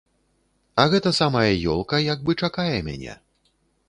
А гэта самая ёлка як бы чакае мяне.